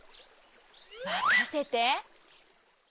まかせて！